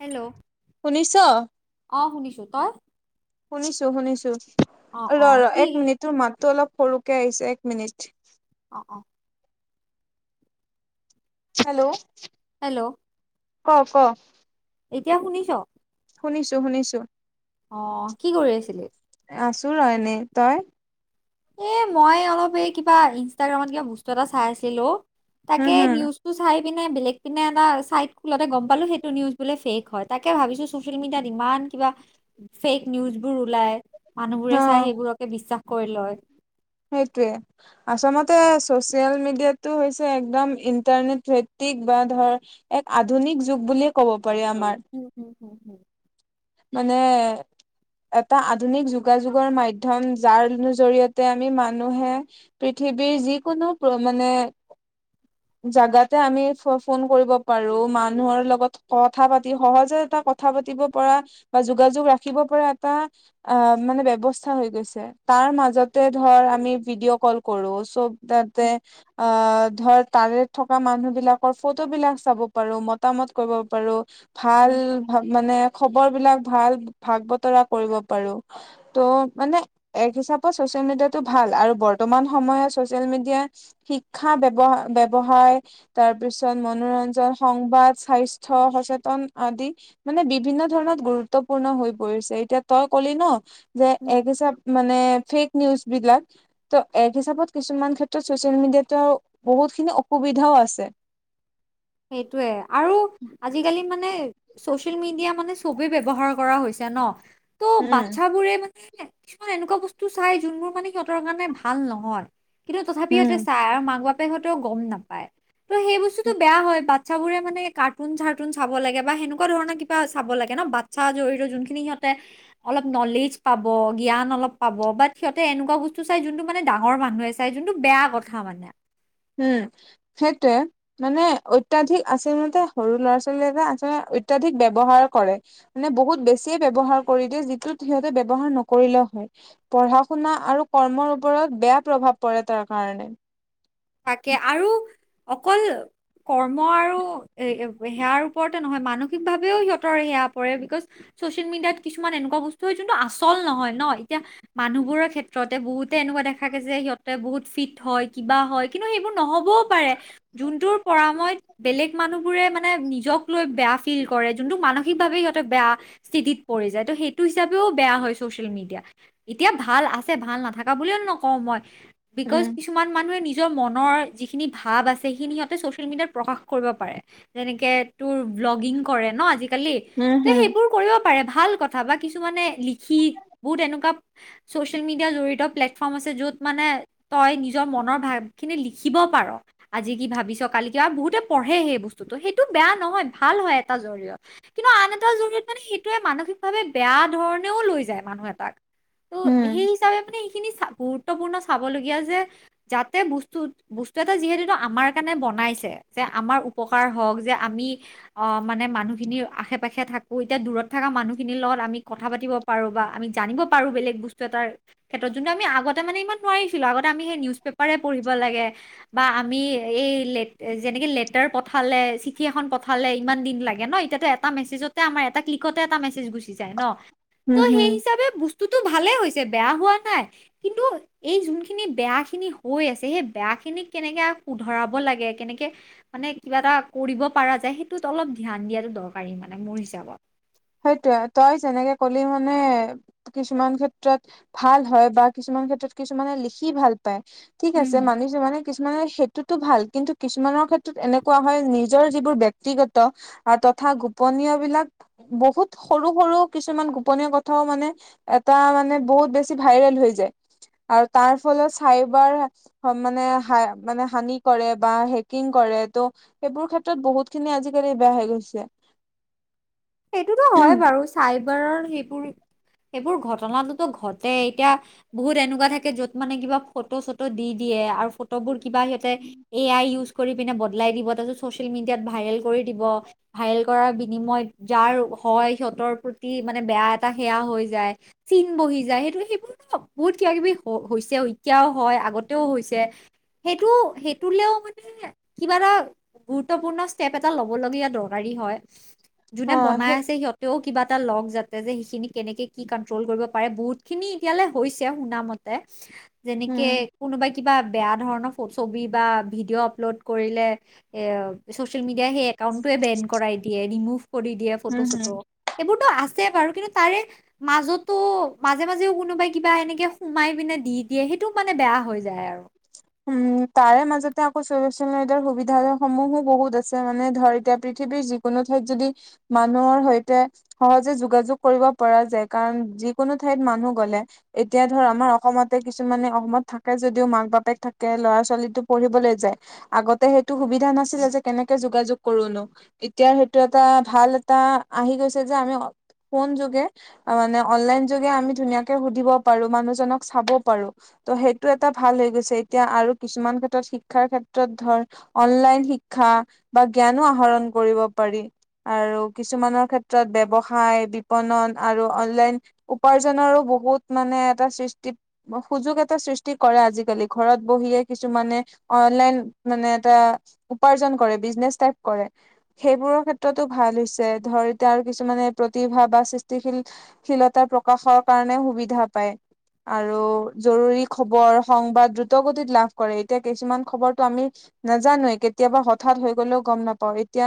Hello? শুনিছ? অ শুনিছো তই? শুনিছো শুনিছো, অ অ ৰ ৰ কি এক মিনিটৰ মাতটো অলপ সৰুকে আহিছে এক মিনিট। অ অ। হেল্ল'! হেল্ল'! ক ক'? এতিয়া শুনিছ। শুনিছোঁ শুনিছোঁ অ কি কৰি আছিলি? তোৰ ৰ এনে তই? এ মই অলপ এই কিবা ইনষ্টাগ্ৰামত কিবা বস্তু এটা চাই আছিলো। হম তাকে হম নিউজটো চাই। কিনে বেলেগ পিনে এটা চাইট খুলতে গম পালো সেইটো নিউজ বোলে ফেক হয় তাকে ভাবিছো ছচিয়েল মিডিয়াত ইমান। কিবা ফেক নিউজ বোৰ ওলাই মানুহবোৰে অ চাই সেইবোৰকে বিশ্বাস কৰি লয়। সেইটোৱে আচলতে চচিয়েল মিডিয়াটো হৈছে একদম ইন্টাৰনেট ভ। বা ধৰ এক আধুনিক যুগ বুলিয়ে ক'ব পাৰি আমাৰ। হম হুম। মানে। এটা আধুনিক যোগাযোগৰ মাধ্যম যাৰ জৰিয়তে আমি মানুহে পৃথিৱী। পৃথিৱীৰ যিকোনো মানে। জাগাতে আমি ফোন কৰিব পাৰো মানুহৰ লগত কথা পাতি সহজে এটা কথা পাতিব পৰা, বা যোগাযোগ ৰাখিব পৰা এটা আহ মানে ব্যৱস্থা হৈ গৈছে তাৰ মাজতে ধৰা আমি ভিডিঅ কল কৰো, চব তাতে উম আ, ধৰ তাৰে থকা মানুহ বিলাকৰ ফটো বিলাক চাব পাৰো, মতামত কৰিব পাৰো, ভাল ভ মানে খবৰ বিলাক ভাল ভাগ বতৰা কৰিব পাৰো, ত মানে এক হিচাপত চচিয়েল মিডিয়টো ভাল। ভাল আৰু বৰ্তমান সময়ত চচিয়েল মিডিয়া শিক্ষায়হ ব্যয়ৱহায়, তাৰপিছত মনোৰঞ্জন সংবাদ স্বাস্থ্য সচেতন আদি মানে বিভিন্ন ধৰণত গুৰুত্ব গুৰুত্বপূৰ্ণ হৈ পৰিছে, এতিয়া তই কলি ন যে উম এক হিচাপ মানে ফেক। নিউজ বিলাক ত এক হিচাপত কিছুমান ক্ষেত্ৰত চচিয়েল মিডিয়াতো আৰু বহুতখিনি অসুবিধাও আছে। সেইটোৱে আৰু আজিকালি মানে চচিয়াল মিডিয়া মানে ছবি ব্ৱহাৰ কৰা হৈছে ন ত উম, বাচ্ছাবোৰে কিছুমান এনেকুৱা বস্তু চাই যোনবোৰ মানে সিহঁতৰ কাৰণে ভাল নহয়। কিন্তু তথাপি সহতে উম। চাই আৰু মাক বাপে সহতেও গম নাপায় ত' সেই বস্তুতটো বেয়া হয় বাচ্ছা বোৰে মানে কাৰ্টুন চাৰ্টুন চাব লাগে, বা সেনেকুৱা ধৰণৰ কিবা চাব লাগে, নহ বাচ্ছা। যোন খিনি সিহঁতে অলপ নলেজ পাব, জ্ঞান অলপ পাব, বাট সিহঁতে এনোকোৱা বস্তু চাই, মানে ডাঙৰ মানুহ চাই যোনটো বেয়া কথা মানে, উম সেইটোৱেই মানে অত্যাধিক আছিল মতে সৰু ল'ৰা ছোৱালী এটা আচলতে অত্যাধিক ব্যয়ৱহাৰ কৰে মানে বহুত বেছিয়ে ব্যৱহাৰ কৰি দিয়ে যিটো সিহঁতে ব্যৱহাৰ নকৰিলেও পঢ়া শুনা আৰু কৰ্মৰ ওপৰত বেয়া প্ৰভাৱ পৰে তাৰ কাৰণে তাকে আৰু অকল কৰ্ম আৰু এ সেয়াৰ ওপৰতে নহয় মানসিকভাৱেও সিহঁতৰ সেয়া পৰে বিকজ চচিয়েল মিডিয়াত কিছুমান এনেকুৱা বস্তু হয় যোনটো আচল নহয় ন এতিয়া মানুহবোৰৰ ক্ষেত্ৰতে বহুতে এনে এনেকুৱা দেখা গে যে সিহঁতে বহুত ফিট হয় কিবা হয়? কিন্তু সেইবোৰ নহ'বও পাৰে যোনটোৰ পৰাময়ত বেলেগ মানুহ বোৰে মানে নিজক লৈ বেয়া ফিল কৰে যোনটো মানসিক ভাৱে সিহঁতে বেয়া স্থিতিত পৰি যায় ত সেইটো হিচাপেও বেয়া হয় চচিয়েল মিডিয়া এতিয়া ভাল আছে ভাল নাথাকা বুলি নকওঁ মই বিকজ উম কিছুমান মানুহে নিজ নিৰ মনৰ যিখিন ভাৱ আছে সেইখিনি সিহঁতি চচিয়েল মিডিয়াত প্ৰকাশ কৰিব পাৰে যেনেকে তোৰ ভ্লগিং কৰে ন আজিকালি উম তা হম সেইবোৰ ক পাৰে ভাল কথা বা কিছুমানে লিখি বহুত এনেকুৱা চচিয়েল মিডিয়া জঢ়িত প্লেটফ্ৰম আছে যত মানে তই নিজৰ মনৰ ভাব খিনি লিখিব পাৰ আজি কি ভাবিছ কালি কিবা বহুতে পঢ়ে সেই বস্তুতটো সেইটো বেয়া নহয় ভাল ভাল হয় এটা জৰিয়ত কিন্তু আন এটা জৰিয়ত মানে সেইটোৱে মানসিকভাৱে বেয়া ধৰণেও লৈ যায় মানুহ এটাক উম ত' সেই হিচাপে মানে এইখিনি গুৰুত্বপূৰ্ণ চাবলগীয়া যে যাতে ব বস্তু এটা যিহেতু আমাৰ কাৰণে বনাইছে যে আমাৰ উপকাৰ হওঁক যে আমি অ মানে মানুহখিনিৰ আশে পাশে থাকো এতিয়া দূৰত থকা মানুহখিনিৰ লগত আমি কথা পাতি পাৰো বা আমি জান পাৰোঁ বেলেগ বস্তু এটাৰ ক্ষেত্ৰত যোনটো আমি আগতে মানে ইমান নোৱাৰিছিলো আগতে আমি সেই নিউজ পেপাৰে পঢ়ি বা আমি এই যেনেকে লেতাৰ পঠালে চিঠি এখন পঠালে ইমান দিন লাগে ন এতিয়াটো এটা ক্লিককটে মেছেজতে আমাৰ এটা ক্লিকতে এটা মেছেজ গুচি যায় ন। হম হম। তোটো ভালে হৈছে বেয়া হোৱা নাই কিন্তু এই যোনখিনি বেয়া খিনি হৈ আছে। সেই বেয়া খিনিক কেনেকে শুধৰাব লাগে কেনেকে মানে কিবা এটা কৰিব পৰা যায় সেইটো অলপ ধ্যান দিয়াটো দৰকাৰী মানে মোৰ হিচাপত সেইটোয়ে তই যেনেকে কলি মানে কিছুমান ক্ষেত্ৰত ভাল হয় বা কিছুমান ক্ষেত্ৰত কিছুমানে লিখি ভাল পায় ঠিক উম, আছে মানি মানে। কিছুমানে সেইটোতো ভাল কিন্তু কিছুমানৰ ক্ষেত্ৰত এনেকুৱা হয় নিজৰ যিবোৰ ব্যক্তিগত তথা গোপনীয় বিলাক বহুত সৰু সৰু কিছুমান গোপনীয় কথাও মানে এটা মানে বহুত বেছি ভাইৰেল হৈ হৈছে। যায় আৰু তাৰ ফলত চাইবাৰ মানে মানে হানি কৰে বা হেকিং কৰে। কৰে সেইবোৰ ক্ষেত্ৰত বহুখিনি আজিকালি বেয়া হয় গৈছে। সেইটোতো হয় বাৰু চাইবাৰৰ সেইবোৰ সেইবোৰ ঘটনাটোতো ঘটেই এতিয়া বহুত এনেকুৱা থাকে যত মানে কিবা ফটো চটো দি দিয়ে আৰু ফটোবোৰ কিবা সিহঁতে এ আই উজ কৰি পিনে বদলাই দিব তাৰপিত চচিয়েল মিডিয়াত ভাইৰেল কৰি দিব ভাইৰেল কৰাৰ বিনিময়ত যাৰ হয় সিহঁতৰ প্ৰতি মানে বেয়া এটা সেয়া হৈ যায় চিন বহি যায় সেইটো সেইবোৰ অ বহুত কিবা কিবি হৈছে। এতিয়াও হয় আগতেও হৈছে সেইটো সেইটোলেও মানে কিবা এটা গুৰুত্বপূৰ্ণ ষ্টেপ এটা লব লগগীয়া দৰকাৰী হয়। অ যোনে বনাই সেই আছে সিহঁতেও কিবা এটা লক যাতে যে সেইখিনি কেনেকে কি কণ্ট্ৰল কৰিব পাৰে বহুতখিনি এতিয়ালৈ হৈছে শুনা মতে [inaudible] যেনেকে কোনোবাই কিবা বেয়া ধৰণৰ ছবি বা ভিডিঅ' আপলোড কৰিলে এ চচিয়েল মিড। সেই একাউন্টোৱে বেন কৰাই দিয়ে ৰিমুভ কৰি দিয়ে উম ফটো চটো হুম। সেইবোৰতো আছে বাৰু কিন্তু তাৰে মাজতো মাজে মাজেও কোনোবাই কিবা এনেকে সোমাই পিনে দি দিয়ে সেইটোও মানে বেয়া হৈ যায় আৰু [unintelligible] উম' তাৰে মাজতে আকৌ চচিয়েল মিডিয়াৰ সুবিধা সমূহো বহুত আছে, মানে ধৰ এতিয়া পৃথিৱীৰ- যিকোনো ঠাইত যদি, মানুহৰ সৈতে সহজে যোগাযোগ কৰিব পৰা যায়, কাৰণ যিবোৰ কোনো ঠাইত মানুহ গ'লে, এতিয়া ধৰ উম আমাৰ অসমতে কিছুমানে অসমত থাকে যদিও মাক বাপে ক, থাকে ল'ৰা-ছোৱালীতো পঢ়িবলৈ যায়, আগতে সেইটো সুবিধা নাছিলে যে কেনেকে যোগাযোগ কৰো নো এতিয়া সেইটো এটা ভাল এটা আহি গৈছে, যে আমি ফোন যোগে মানে অনলাইন যোগে আমি ধুনীয়াকে সুধিব পাৰো, মানুহজনক চাব পাৰো। ত' সেইটো এটা ভাল হৈ গৈছে। এতিয়া আৰু কিছুমান ক্ষেত্ৰত শিক্ষাৰ ক্ষেত্ৰত ধৰ, অনলাইন শিক্ষা, বা জ্ঞানো আহৰ কৰিব পাৰি। আৰু কিছুমানৰ ক্ষেত্ৰত ব্যৱসায়, বিপণন আৰু অনলাইন উপাৰ্জনৰো বহুত মানে এটা সৃষ্টিত, সুযোগ এটা সৃষ্টি কৰে আজিকালি। ঘৰত বহিয়ে কিছুমানে অনলাইন মানে এটা উপাৰ্জন কৰে, বিজনেচ টাইপ কৰে। সেইবোৰৰ ক্ষেত্ৰতো ভাল হৈছে, ধৰ তেওঁ আৰু কিছুমানে প্ৰতিভা বা সৃষ্টিশীল ত' প্ৰকাশৰ কাৰণে সুবিধা পায়, আৰু জৰুৰী খবৰ সংবাদ দ্ৰুত গতিত লাভ কৰে, এতিয়া কিছুমান খবৰটো আমি নাজানোৱে কেতিয়াবা হঠাৎ হৈ গ'লেও গম নাপাওঁ। এতিয়া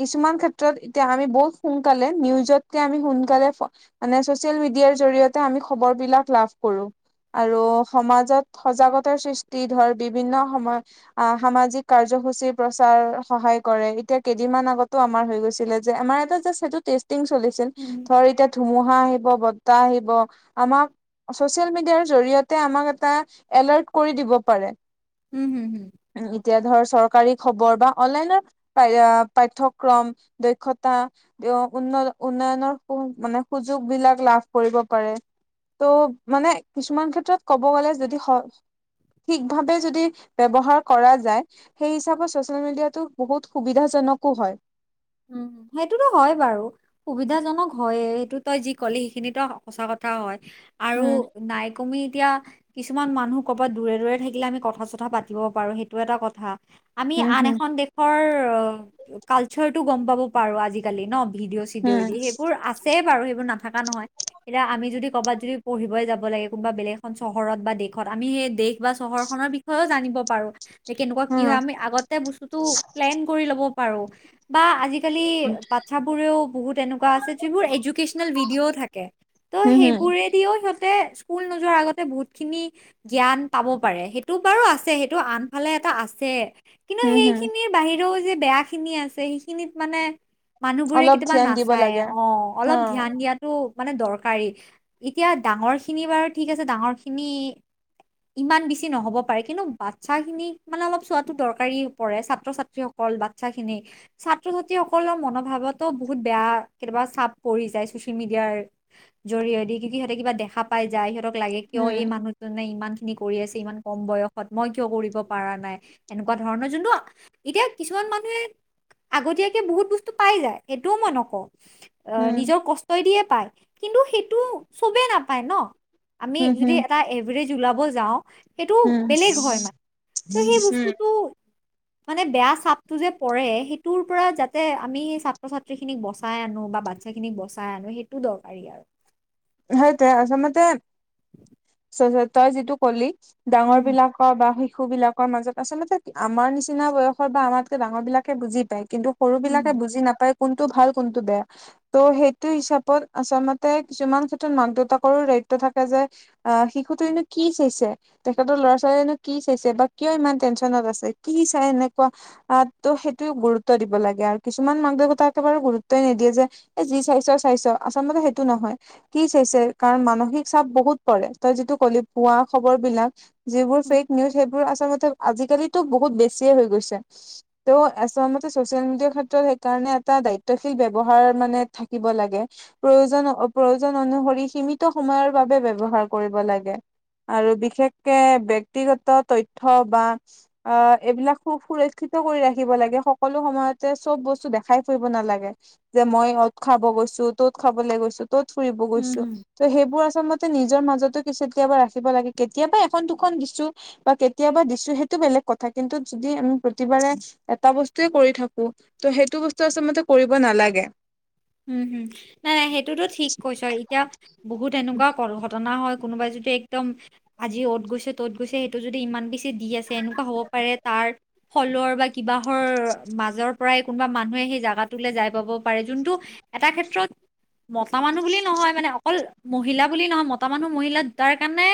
কিছুমান ক্ষেত্ৰত এতিয়া আমি বহুত সোনকালে নিউজতকে আমি সোনকালে মানে চচিয়েল মি দিয়াৰ জৰিয়তে আমি খবৰ বিলাক লাভ কৰো। আৰু সমাজত সজাগতাৰ সৃষ্টি, ধৰ বিভিন্ন সময়ত আহ' সামাজিক কাৰ্যসূচীৰ প্ৰচাৰ সহায় কৰে, এতিয়া কেইদিনমান আগতো আমাৰ হৈ গৈছিলে যে আমাৰ এটা চলিছিল উম ধৰ এতিয়া ধুমুহা আহি বতাহ আহিব, আমাক চচিয়েল মিডিয়াৰ জৰিয়তে আমাক এটা এলাৰ্ট কৰি দিব পাৰে। হুম হুম এতিয়া ধৰ চৰকাৰী খবৰ বা অনলাইনত পাঠক্ৰম, দক্ষতা উন্নয়নৰ মানে সুযোগ বিলাক লাভ কৰিব পাৰে। ত' মানে কিছুমান ক্ষেত্ৰত ক'ব গ'লে, যদি হয়- ঠিক ভাৱে যদি ব্যৱহাৰ কৰা যায়, সেই হিচাপত চচিয়েল মিডিয়োটো বহুত সুবিধাজনক। কো হয়। উম, সেইটোতো হয় বাৰু, সুবিধাজনক হয়ে সেইটো তই যি ক'লি সেইখিনিতো সচা কথা হয়। আৰু উম নাইকমি এতিয়া কিছুমান মানুহ ক'ৰবাত দূৰে-দূৰে থাকিলে, আমি কথা-চথা পাতিব পাৰো সেইটো এটা কথা। আমি হম আন হম এখন দেশৰ কালচাৰটো গম পাব পাৰো আজিকালি ন? ভিডিঅ' চিডিঅ' দি হম সেইবোৰ আছে বাৰু সেইবোৰ নাথকা নহয়। এতিয়া আমি যদি ক'ৰবাত যদি পঢ়িবই যাব লাগে, কোনোবা বেলেগ এখন চহৰত বা দেশত, আমি সেই দেশ বা চহৰ খনৰ বিষয়েও জানিব পাৰো যে কেনেকোৱা কি হয় হম আমি আগতে বস্তুতো প্লেন কৰি ল'ব পাৰো বা আজি কালি, বাছাবোৰেও বহুত এনেকোৱা আছে যিবোৰ এডুকেচনেল ভিডিঅ'ও থাকে ত' হম সেইবোৰ হম বুৰেদিও সিহ স্কুল নোযোৱাৰ আগতে বহুত খিনি জ্ঞান পাব পাৰে, সেইটো বাৰু আছে সেইটো আনফালে এটা আছে, কিন্তু হম হম সেইখিনিৰ বাহিৰেও যে বেয়া খিনি আছে সেইখিনিত মানে মানুহ বোৰে অলপ কেতিয়াবা ধ্যান দিব নাচায়, লাগে অ অ অলপ ধ্যান দিয়াতো মানে দৰকাৰী, এতিয়া ডাঙৰ খিনি বাৰু ঠিক আছে ডাঙৰ খিনি ইমান বেছি নহ'ব পাৰে, কিন্তু বাচ্ছা খিনিক মানে অলপ চোৱাটো দৰকাৰী পৰে ছাত্ৰ-ছাত্ৰীসকলে- ল বাচছাখিনি ছাত্ৰ-ছাত্ৰীসকলৰ মনোভাৱতো বহুত বেয়া কেতিয়াবা চাপ পৰি যায় ছচিয়েল মিডিয়াৰ জৰিয়দি কিন্তু সিহঁতে কিবা দেখা পাই যায়, সিহঁতক লাগে কিয় এই উম মানুহজনে ইমান কি কৰি আছে ইমান কম বয়সত মই কিয় কৰিব পৰা নাই, এনেকুৱা ধৰণৰ যোনটো এতিয়া কিছুমান মানে আগতীয়াকে বহুত বস্তু পাই যায় সেইটোও মই নকওঁ উম নিজৰ কষ্টই দিয়ে পায় কিন্তু সেইটো চবেই নাপায় ন আমি উম যদি হম এটা জলাব যাও সেইটো উম বেলেগ হয় মানে ত সেই উম বস্তুটো মানে বেয়া চাপটো যে পৰে সেইটোৰ পৰা যাতে আমি সেই ছাত্ৰ ছাত্ৰীখিনিক বচাই আনো বাচ্ছাখিনিক বচাই আনো সেইটো দৰকাৰী আৰু [inaudible] সেইটোৱে আচলতে তই যিটো কলি ডাঙৰ উম বিলাকৰ বা শ শিশু বিলাকৰ মাজত আচলতে আমাৰ নিচিনা বয়সৰ বা আমাতকে ডাঙৰ বিলাকে বুজি পায় কিন্তু সৰু হুম বিলাকে বুজি নাপায় কোনটো ভাল কোনটো বেয়া ত' সেইটো হিচাপত আচলতে কিছুমান মাক দেউতাকৰো দায়িত্ব থাকে যে আহ শিশুতো এনে কি চাইছে তেখেতৰ ল'ৰা ছোৱালীয়ে নো কি চাইছে বা কিয় ইমান টেনচনত আছে কি চাই এনেকোৱা ত' সেইটো গুৰুত্ব দিব লাগে আৰু কিছুমান মাক দেউতাক একেবাৰে গুৰুত্বই নিদিয়ে যে এ যি চাইছ চাইছ আচলতে সেইটো নহয় কি চাইছে কাৰণ মানসিক চাপ বহুত পৰে তই যিটো ক'লি পুৱা খবৰ বিলাক যিবোৰ হুম ফেক নিউজ সে বোৰ আচলতে আজিকালিতো বহুত বেছিয়ে হৈ গৈছে ত' আচ মতে চচিয়েল মিডিয়াৰ ক্ষেত্ৰত সেইকাৰণে দায়িত্বশীল ব্যৱহাৰ মানে থাকিব লাগে প্ৰয়োজন অনুভৱ প্ৰয়ো অনুসৰি সীমিত সময়ৰ বাবে ব্যৱহাৰ কৰিব লাগে আৰু বিশেষকে ব্যক্তিগত তথ্য বা আহ এইবিলাক সু সুৰক্ষিত কৰি ৰাখিব লাগে সকলো সময়তে চব বস্তু দেখাই ফুৰিব নালাগে যে মই ইত খাব গৈছো ত'ত খাবলৈ গৈছো ত'ত ফুৰিব হুম হুম গৈছো হুম ত সেইবোৰ আচলতে নিজ নিজৰ মাজতো কিু কেতিয়াবা ৰাখিব লাগে কেতিয়াবা এখন দুখন দিছো বা কেতিয়াবা দিছো সেইটো বেলেগ কথা কিন্তু যদি আমি প্ৰতিবাৰে এটা বস্তুয়ে কৰি থাকো ত সেইটো বস্তু আচলতে কৰিব নালাগে উম হম নাই নাই সেইটোতো ঠিক কৈছ এতিয়া বহুত এনেকুৱাও কৰো ঘট জনা হয় কোনোবাই যদি একদম আজি অত গৈছে ত'ত গৈছে সেইটো যদি ইমান বেছি দি আছে এনেকুৱা হ'ব পাৰে তাৰ ফলৰ কিবাহৰ মাজৰ পৰাই কোনোবা মানুহে সেই জাগা লৈ যাই পাব পাৰে যোন এটা ক্ষেত্ৰত মতা মানুহ বুলি নহয় মানে অকল মহিলা বুলি নহয় মতা মানুহ মহিলা তাৰ কাৰণে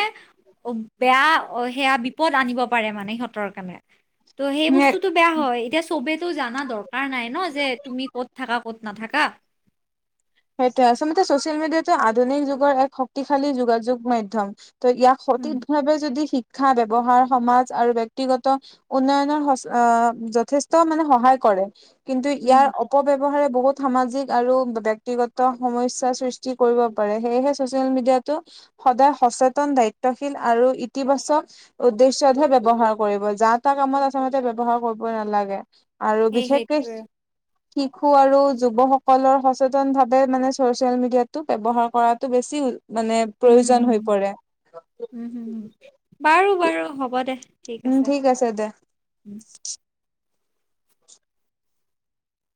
অ বেয়া অ সেয়া বিপদ আনিব পাৰে মানে সিহঁতৰ কাৰণে ত' সেই বস্তুতটো বেয়া হয় এতিয়া চবেতো জানা দৰকাৰ নাই ন যে তুমি ক'ত থাকা ক'ত নাথাকা সেইটোৱে আচলতে ছচিয়েল মিডিয়াাতটো আধুনিক যুগৰ এক শক্তিশালী যোগাযোগ মাধ্যম ত ইয়াক উম, সঠিক ভাৱে যদি শ শিক্ষা ব্যৱহাৰ সমাজ আৰু ব্যক্তিগত উন্নয়নৰ যথেষ্ট মানে সহায় কৰে কিন্তু উম। ইয়াৰ অপব্যৱহাৰে বহুত সামাজিক আৰু ব্যক্তিগত সমস্যাৰ সৃষ্টি কৰিব পাৰে সেয়েহে ছচিয়েল মিডিয়াটো সদায় সচেতন দায়িত্ব শীল আৰু ইতিবাচক উদ্দেশ্যতহে ব্যৱহাৰ কৰিব যা তটা কামত আচলতে ব্যৱহাৰ কৰিব নালাগে আৰু সেই বিশেষকে সেইটোৱে শিশু আৰু যুৱসকলৰ সচে ভাৱে মানে চচিয়েল মিডিয়া টো ব্যৱহাৰ কৰাটো বেছি মানে উম, প্ৰয়োজন হৈ পৰে অ হ'ব দে উম ঠিক আছে দে